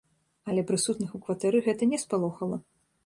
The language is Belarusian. Але прысутных у кватэры гэта не спалохала.